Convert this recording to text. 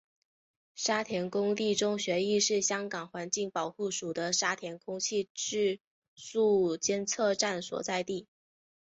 沙田官立中学亦是香港环境保护署的沙田空气质素监测站所在地。